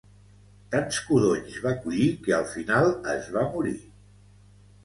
Tants codonys va collir que al final es va morir